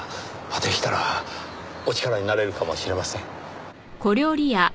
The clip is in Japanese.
でしたらお力になれるかもしれません。